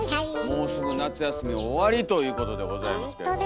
もうすぐ夏休み終わりということでございますけども。